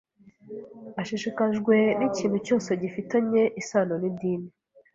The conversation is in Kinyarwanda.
Ashishikajwe n'ikintu cyose gifitanye isano n'idini.